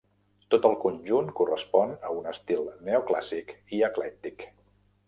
Tot el conjunt correspon a un estil neoclàssic i eclèctic.